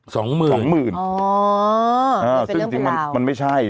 สองหมื่นสองหมื่นอ๋อมันเป็นเรื่องเวลาซึ่งจริงมันไม่ใช่